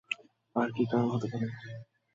আর কি কারন হতে পারে?